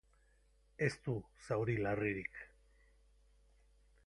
Ez du zauri larririk.